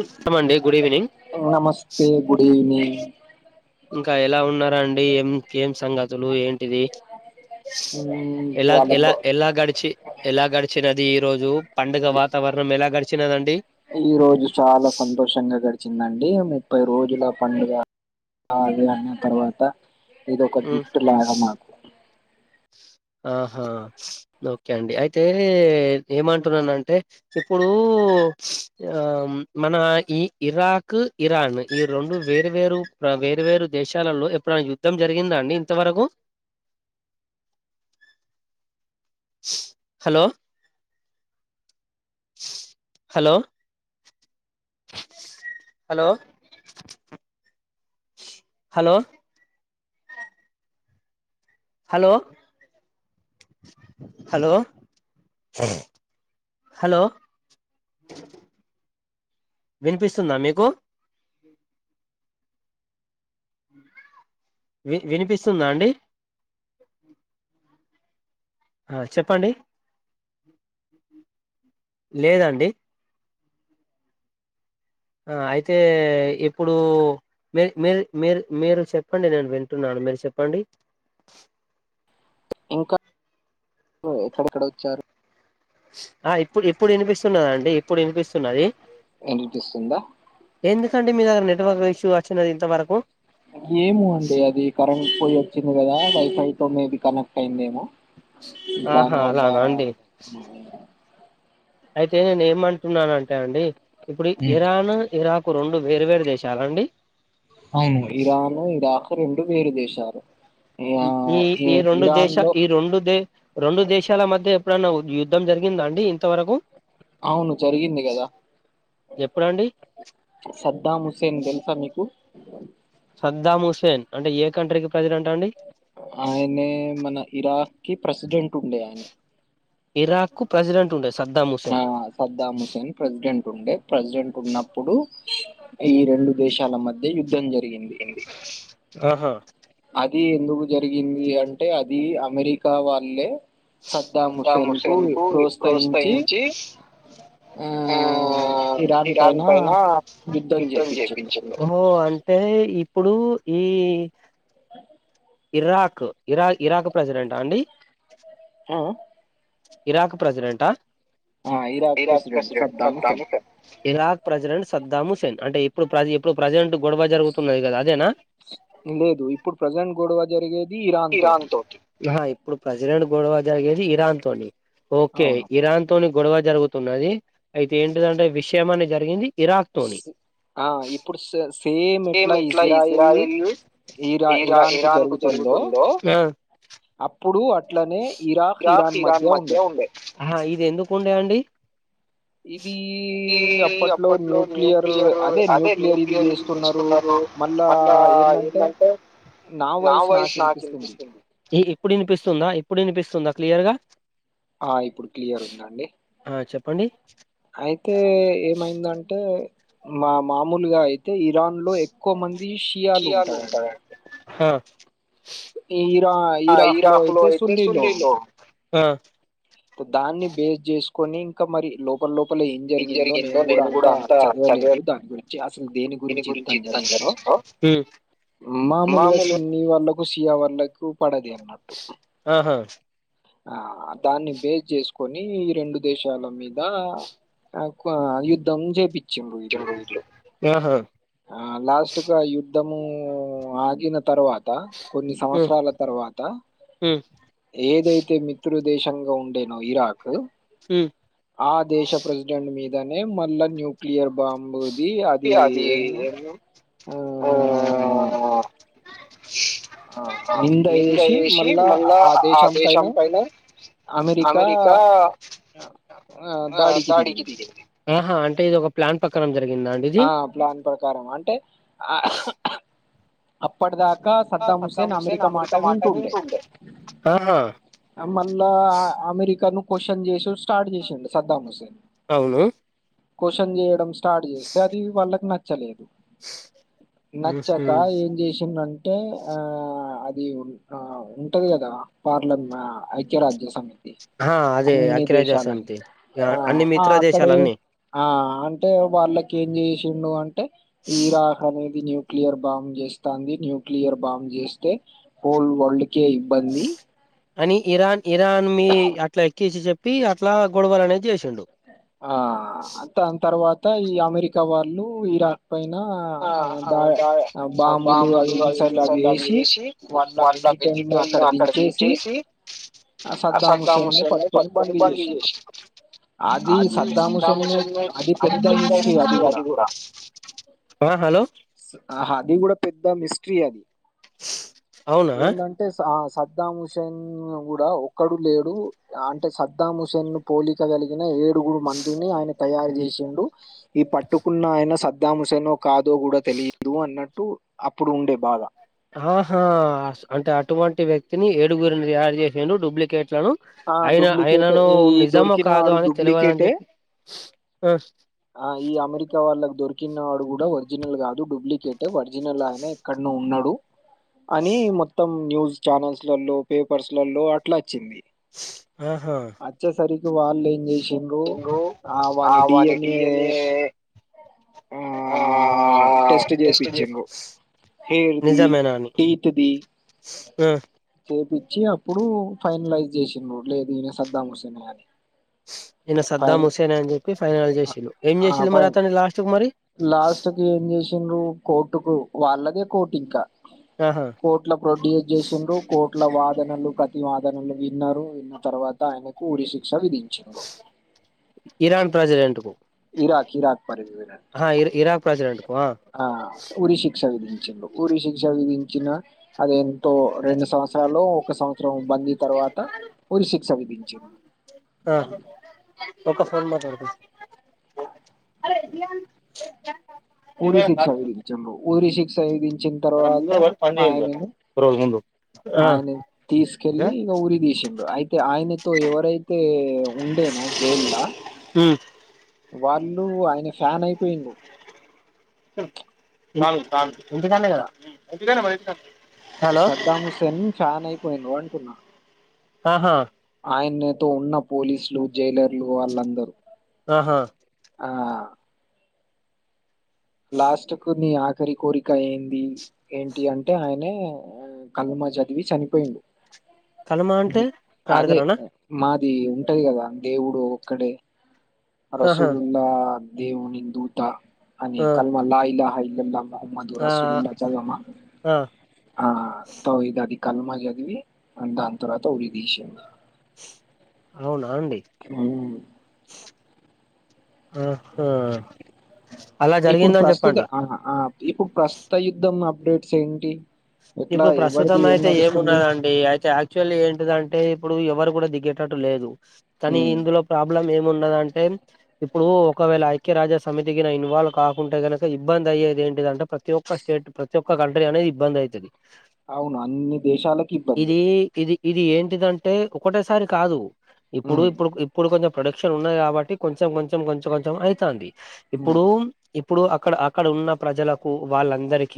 ఉంటాం అండి good evening ఇంకా ఎలా ఉన్నారా అండి ఏం ఏం సంగతులు ఏంటిది. ఎలా ఎలా ఎలా గడిచి ఎలా గడిచినినది ఈ రోజు పండుగ వాతావరణం ఎలా గడిచినదండి. ఈ రోజు చాలా సంతోషంగా గడిచిందండి. ముప్పై రోజుల పండుగ అది అన్న తర్వాత ఇది ఒక గిఫ్ట్ లాగా మాకు ఆహా ఓకే అండి అయితే ఏమంటున్నానంటే ఇప్పుడు ఆ మన ఈ ఇరాక్ ఇరాన్ ఈ రెండు వేరు వేరు ఇప్పుడు వేరు వేరు దేశాలలో ఎప్పుడన్న యుద్ధం జరిగిందా అండి ఇంతవరకు hello hello hello hello hello hello hello వినిపిస్తుందా మీకు వి వినిపిస్తుందాండి ఆ చెప్పండి లేదాండి ఆ అయితే ఇప్పుడు మీరు మీరు మీరు మీరు చెప్పండి నేను వింటున్నాను. మీరు చెప్పండి. ఇంకా ఎక్కడెక్కడ వచ్చారు ఆ ఇప్పుడు ఇప్పుడు వినిపిస్తున్నదండి. ఇప్పుడు వినిపిస్తున్నది. వినిపిస్తుందా ఎందుకంటడి మీ దగ్గర నెట్వర్క్ ఇష్యూ వచ్చినది ఇంతవరకు ఏమొ అండి అది కరెంట్ పోయి వచ్చింది కదా వైఫై తోనేది కనెక్ట్ అయిందేమో దాని వల్ల అయితే నేను ఏమంటున్నానంటే అండి ఇప్పుడు ఇరాన్ ఇరాక్ రెండు వేర్ వేరు దేశాలండి అవును ఇరాన్ ఇరాక్ రెండు వేరు దేశాలు ఈ ఈ రెండు దేశ ఈ రెండు దే రెండు దేశాల మధ్య ఎప్పుడన్న యుద్ధం జరిగిందా అండి ఇంతవరకు అవును జరిగింది కదా సద్దాం హుస్సేన్ తెలుసా మీకు సద్దామ్ హుసేన్ అంటే ఏ కంట్రీకి ఆయనే మన ఇరాక్కిి ప్రెసిడెంట్ ఉండే ఆయన ఇరాక్ కు ప్రసిడెంట్ ఉండే ఆ సద్దాం హుసేన్ ప్రెసిడెంట్ ఉండే ప్రెసిడెంట్ ఉన్నప్పుడు ఈ రెండు దేశాల మధ్య యుద్ధం జరి గింది ఆహా అది ఎందుకు జరిగింది అంటే అది అమెరికా వాళ్ళే సర్ధాం హుసేన్ కు ప్రోత్సహించి ఆ ఇరాన్ పైన యుద్ధం చేపిచ్చింది ఒహ్ అంటే ఇప్పుడు ఈ ఇరాక్ ఇరాక్ ఇరాక్ ప్రెసిడెంటా అండి ఆ ఆ ఇరాక్ ప్రెసిడెంట్ ఆ ఆ Iraq president Saddam Hussein Iraq president Saddam Hussein అంటే ఇప్పుడు ఇప్పుడు ప్రెసిడెంట్ గొడవ జరుగుతున్నది కదా అదేనా లేదు ఇప్పుడు ప్రెజెంట్ గోడవ ఇరాన్ తోటి అహ ఇప్పుడు ప్రెసిడెంట్ గొడవ జరిగేది ఇరాన్ తోని ఓకే ఇరాన్ తోని గొడవ జరుగుతున్నది అయితే ఏంటిది అంటే విషయం అనే జరిగింది ఇరాక్ తోని సేమ్ ఎట్లా ఇజ్రాయిల్ ఇరా ఇరాన్ కు జరుగుతుందో అప్పుడు అట్లనే ఇరాక్ ఇరాన్ మధ్య ఉండే ఆ ఇది ఎందుకు ఉండే అండి ఇదీ అప్పట్లో న్యూక్లియర్ అదే న్యూక్లియర్ ఇది చేస్తున్నరు మళ్ళా ఎందంటే నా వాయిస్ నాకినిపిస్తుంది ఈ ఇప్పుడు వినిపిస్తుందా ఇప్పుడు వినిపిస్తుందా క్లియర్ గా ఆ ఇప్పుడు క్లియర్ ఉందండి అయితే ఏమైందంటే మా మామూలుగా అయితే ఇరాన్ లో ఎక్కువ మంది షియాలు ఉంటారండి ఇరాక్లో అయితే సునిలో ఆ దాన్ని బేస్ చేసుకొని ఇంకా మరి లోకలో పల ఏం జరిగిందో నేను కూడా అంత చదవలేదు దాని గురించి అసలు దేని గురించి యుద్దం జరిగిందో ఉమ్ మామూలుగా సున్ని వాళ్ళకు సీయా వాళ్ళకు పడది అన్నట్టు ఆ దాన్ని బేస్ చేసుకొని ఈ రెండు దేశాల మీద ఆ యుద్ధం చేపించున్రు విళ్ళు ఆ లాస్ట్ గా యుద్ధ దము ఆగిన తరువాత త కొన్ని సంవత్సరాల తర్వాత ఏదై శత్రు దేశంగా ఉండేనో ఇరాక్ ఆ దేశ ప్రెసిడెంట్ మీద దనే మళ్ళా న్యూక్లియర్ బాంబు ది అది ఎనో ఆ నింద వేసి మళ్ళా ఆ దేశం పైన అమెరికా ఆ దాడికి దిగింది అంటే ఇది ఒక ప్లాన్ ప్రకారం జ ఆ ప్లాన్ ప్రకారం అంటే ఆ అప్పటిదా కా సద్దాం హుసేన్ అమెరికా మాట వింటుండే మళ్ళా అమెరికాను క్వశ్చన్ చేసి స్టార్ట్ చేస్తుండే సద్దాం హుసేన్ అవును క్వశ్చన్ చేయడం స్టార్ట్ అ అది వాళ్ళకి నచ్చలేదు నచ్చాక ఏం చేసిండం టే ఆ అది ఉ ఉంటది కదా పార్ల ఐక్యరాజ్య సం తి అన్ని దేశాలని ఆ అక్కడ ఆ అంటే వాళ్ళకి ఏం చేసిండు అంటే ఇరాక్ అని న్యూక్లియర్ బాంబ్ చేస్తాంది న్యూక్లియర్ బాం చేస్తే హోల్ వరల్డ్కే ఇబ్బంది అని ఇరాన్ ఇరాన్ మీ అట్లా ఎక్కేసి చెప్పి అట్లా గొడవలు అనేది చేస్ ఆ దాన్ తర్వాత ఈ అమెరికా వాళ్ళు ఇరాక్ ఆ బా-బాంబులు అవి బాంబులు వేసి వెజిటేన్నీ అక్కడ దించేసి ఆ సద్దాం హుస్సేన్ ని బండి చేసిర్రు అది సద్దాం హుస్సేన్ ని అది అది కూడా ఆ హలో ఆ అది కూడా పెద్ద మిస్ట్రీ అది ఏదంటే సద్దాం హుసేన్ కూడా ఒక్కడు లేడు అంటే సద్దాం హుసేన్ ను పోలిక కలిగిన ఏ డుగురు మందుని ఆయన తయారు చేసిండు ఈ పట్టుకున్న ఆయన సద్దాం హుస్సేనో కాదో కూడా తెలిదు అన్నట్టు అప్పుడు ఉండే బాగా ఆహా అంటే అటువంటి వ్యక్తిని ఏడుగురిని తయారు చేసిండు డూప్లికేట్ ట్లను అయిన ఆయనను నిజమ కాదు అని తెలువదుని చెప్పి ఆ ఈ అమెరికా వాళ్ళకి దొర్కి కిన్నడు కూడా ఒరిజినల్ కాదు డూప్లికేట్ ఒరిజినల్ ఆయన ఎక్కడనో ఉన్నాడు అని మొత్తం న్యూస్ ఛానల్స్ లలో పేపర్స్ లలో అట్లా అచ్చింది ఆహా వాళ్ళు ఏం చేసిండ్రు ఆ వాని డిఎన్ ఏ ఆ టెస్ట్ జెపిచ్చిన్రు హెయిర్ ది టీత్ ది చేపిచ్చి అప్పుడు ఫైనలైజ్ చేసిండ్రు లేదు ఈయన సద్దాం హుస్సేనే అని ఈయన సద్దాం హుసేనే అని చెప్పి ఫైనల్ చేసిండు ఏం చేసిలు మరి అతన్ని లాస్ట్ కు మరి లాస్ట్ కి ఏం చేసిండ్రు కోర్టుకు వాళ్ళదే కోర్టు ఇంకా కోట్ల ప్రొడ్యూస్ చేసిండ్రు కోట్ల వా వానలు ప్రతి వాదనలు విన్నారు విన్న తర్వాత ఆయనకు ఊరి శి క్ష విధించిండ్రు ఇరాక్ ఇరాక్ పర్యవేక్ ఆ ఉరి శిక్షా విధి ఊరి శిక్ష విధించిన అది ఎంతో రెండు సంవత్సరాలు ఒక సంవత్సరంబ్బంది తర్వాత ఉరి శిక్ష విధించి ఆ ఒక ఫోన్ మాట్లాడ్త [inaudible] ఉరి శిక్ష విధించిరు ఉరి శిక్ష విధించిన తర్వాత ఆయనను ఆయన తీసుకెల్లి ఇగ ఉరి తిశిరు అయితే ఆయనతో ఎవరై తే ఉండేనో జైల్లా వాళ్ళు ఆయన ఫ్యాన్ అయిపొయిల్లు నాలుగు తాళ్లు ఇంటికాడనేగా కదా ఇంటికాడనే వైన్స్ సద్దాం హుస్సేన్ ఫ్యాన్ అయిపోయింరు అంటున్న ఆహా ఆయనతొ ఉన్న పోలీసులు జైలర్లు ఆళ్ళందరు ఆ లాస్ట్ కు నీ ఆఖరి కోరిక ఏంది ఏంటి అంటే ఆయనే ఉ కలమ చదివి చనిపోయిండు అదే మా ఇది ఉంటది కద దేవుడు ఒక్కడే రసులుండా దేవుని దూత అది కల్మాలా యిలాలహల మధుర సి మజగమ ఆ తోది కాది కలుమ చదివి దాని తర్వాత ఉరితీష్రాట అవునా అండి ఆహా ఇప్పుడు ప్రస్తుత ఆ అ ఇప్పుడు ప్రస్తుత యుద్ధం అప్డేట్స్ ఏంటి ఇప్పుడు ప్రస్తుతం అయితే ఏమున్నదండి అయితే అక్చువలి ఏంటిదంటే ఇ ఇప్పుడు ఎవరు గుడ దిగేటట్టు లేదు కాని ఇందులో ప్రాబ్ అప్ బ్లమ్ ఏమునది అంటే ఇప్పుడు ఒకవేళ ఐక్యరాజ్య సమితిగిన ఇన్వాల్వ్ కాకుంటే గనక ఇబ్బంద్ అయ్యేది ఏంటిది అంటే ప్రతి ఒక్క స్టేట్ ప్రతి ఒక్క కంట్రీ అనేది ఇబ్బంది అయ్తది అవును అన్ని దెశాలకు ఇబ్బందె ఇది ఏంటిదంటే ఒకటేసరి కాదు ఇప్పుడు ఇప్పుడు ఇప్పుడు కొంచెం ప ప్రొడక్షన్ ఉన్నాయ్ కాబట్టి కొంచెం కొంచెం కొంచెం కొంచెం అయ్తాంది ఇప్పుడు ఇప్పుడు అక్కడ అక్కడ ఉన్న ప్రజలకు వాళ్ళందరిక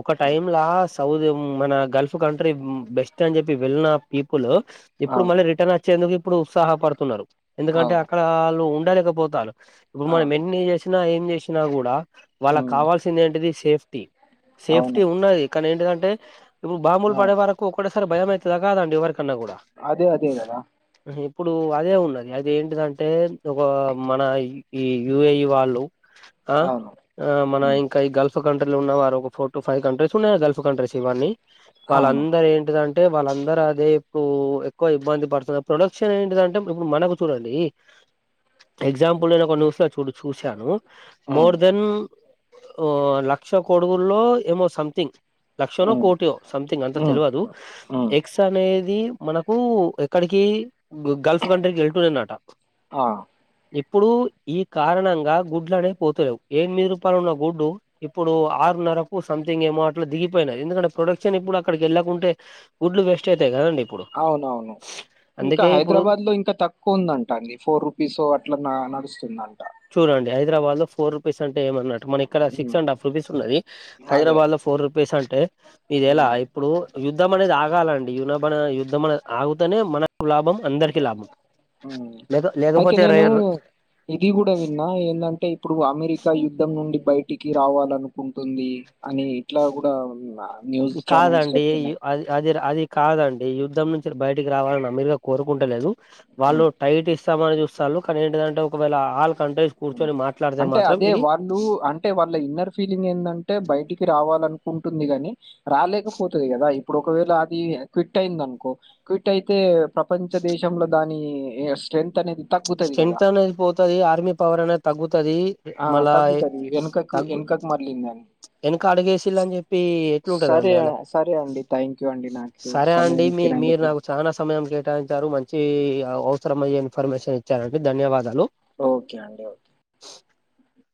ఒక టైం లా తవ్దం మన గల్ఫ్ కంట్రీ బెస్ట్ అని చెప్పి వెళ్ళిన పిపులు ఇప్పుడు మళ్ళీ రిటర్న్ వచ్చేందుకు ఇప్పుడు ఉత్సాహ పడుతున్నరు ఎందుకంటే అక్కడ ఆళ్ళు ఉండలేకపోతాల్ ఇప్పుడు మనం ఎన్ని చేశిన ఏం చేశిన గుడ వాళ్ళక్ కావాల్సింది ఏంటిది సేఫ్టీ సేఫ్టీ ఉన్నది కాని ఏంటిదంటే ఇప్పుడు బాంబులు పడే వరకు ఒకటేసరి భయం అయ్తద కాదండి ఎవరికి కన్నా కూడ ఇప్పుడు అదే ఉన్నది అది ఏంటిదంటే ఒక మన ఇ ఈ యుఐ వాళ్ళు ఆ ఆ మన ఇంక ఈ గల్ఫ్ కంట్రీల ఉన్నవారు ఒక four to five countries gulf countries ఇవన్నీ వాల్ల్ అందరు ఏంటిదంటే అంటే వాళ్ళందరు అదేకు ఎక్కువ ఇబ్బంది పడుతున్నపుడు ప్రొడక్షన్ ఏంటిదంటే ఇప్పుడు మనకు చూడండి ఎగ్జాంపుల్గ ఒక న్యూస్ లో కూడ చూశాను మోర్ దెన్ ఓ లక్ష కొడుగుల్లో ఏమో సంథింగ్ లక్షనో కోటో సంథింగ్ అంత తెల్వదు ఎక్స్ అనేది మనకు ఎక్కడికి గల్ఫ్ కంట్రీకి ఎటుపోయిందట ప్పుడు ఈ కారణంగా గుడ్లనే పొతులేవ్ యేన్మిది రూపాలు ఉన్న గుడ్డు ఇప్పుడు ఆరు ఉ నారా వరకు సంథింగ్ ఏమో అట్ల దిగిపోయ్నయ్ ఎందుకంటే ప్రొడక్షన్ ఇప్పుడు అక్కడికి ఏళ్ళకుంట గుడ్లు వెస్ట్ అయితయ్ కదండి అవునవును ఇంక హైద్రాబాద్లో ఇంక తక్కువ ఉందంట అండి ఫోర్ రుపీసొ అట్ల న నడుస్తు చురండి హైద్రాబాద్లో ఫోర్ రూపీస్ అం ఇగ ఏమన్నట్టు మన ఇక్కడ సిక్స్ అండ్ హాఫ్ రూపీస్ ఉన్నది హైద్రాబాద్ల ఫోర్ రుపీస్ అంటే ఇది ఎలా ఇప్పుడు యుద్ధం అనేది ఆగాలండి యునబన యుద్ధం అనేది ఆగుతనే మనక్ లాభం అందరికి లాభం లేక లేకపోతే రేర్ ఇప్పుడే విన్నా ఏందంటే ఇప్పుడు అమెరికా యుద్ధం నుండి బయటికి రావాలనుకుంటుంది అని ఇట్లా గూడ కాద్ అండి అది అది ర అది కాదండి యుద్ధం నుంచెల్లి బయటికి రావాలని అమెరికా కోరుకుంటలేదు వాళ్ళు టైట్ ఇస్తామని చూస్ చలు కానీ ఏంటిదంటే ఓకవేళ ఆల్ అంటే అదే వాళ్ళు అంటే వాళ్ళ ఇన్నర్ ఫీలింగ్ ఏందంటే బయటికి రావాల్ అనుకుంటుంది గని రాలేకపోతది గదా ఇప్పుడు ఒకవేళ అది క్విట్ అయింది అనుకో క్విట్ అయ్ అయితే ప్రపంచ దేశంలో దాని స్ట్రెంత్ అనేది స్ట్రెంత్ అనేది పోతది ఆర్మీ ఎవరనా తగ్గుతాది మళ్ళా తగ్గు వెనక అడిగేసిలా అని జెప్పి ఎట్లుంటదండి అలా సరే అండి మీ మీరు నాకు చానా సమయం కేటాయించారు మంచి అవసరమయ్యే ఇన్ఫర్మేషన్ ఇచ్చారండి ధన్యవాదాలు ఓకే అండి ఓకే